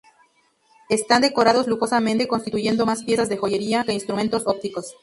Están decorados lujosamente, constituyendo más piezas de joyería que instrumentos ópticos.